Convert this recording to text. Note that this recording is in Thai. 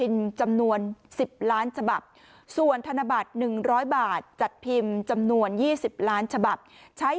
เป็นจำนวน๑๐ล้านฉบับส่วนธนบัตร๑๐๐บาทจัดพิมพ์จำนวน๒๐ล้านฉบับใช้